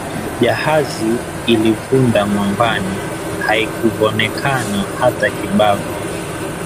Jahazi ilivunda mwambani haikuvonekana hata kibavo.